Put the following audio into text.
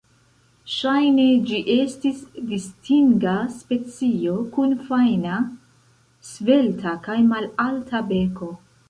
Ŝajne ĝi estis distinga specio, kun fajna, svelta kaj malalta beko.